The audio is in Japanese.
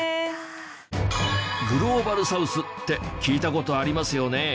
グローバルサウスって聞いた事ありますよね。